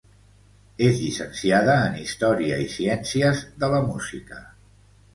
És llicenciada en història i ciències de la música.